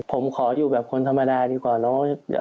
ผมขออยู่แบบคนธรรมดาดีกว่าเนอะ